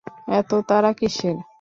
এত তাড়া কিসের?